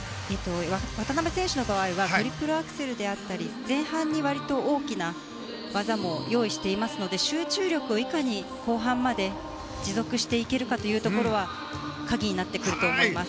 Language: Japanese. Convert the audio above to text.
渡辺選手の場合はトリプルアクセルであったり前半にわりと大きな技も用意していますので集中力をいかに後半まで持続していけるかというところは鍵になってくると思います。